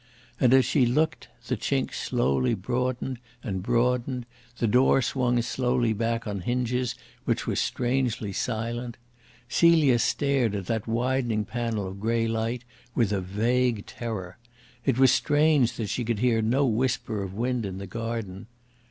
And as she looked, the chink slowly broadened and broadened, the door swung slowly back on hinges which were strangely silent. Celia stared at the widening panel of grey light with a vague terror. It was strange that she could hear no whisper of wind in the garden.